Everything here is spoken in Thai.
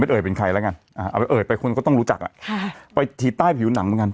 เอ่ยเป็นใครแล้วกันเอาไปเอ่ยไปคนก็ต้องรู้จักอ่ะค่ะไปถีบใต้ผิวหนังเหมือนกัน